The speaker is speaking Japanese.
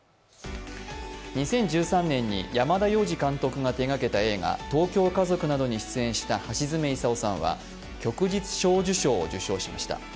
２０１３年に山田洋次監督が手がけた映画、「東京家族」などに出演した橋爪功さんは旭日小綬章を受章しました。